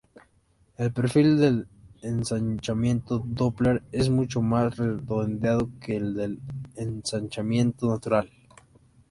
El perfil del ensanchamiento Doppler es mucho más redondeado que el del ensanchamiento natural.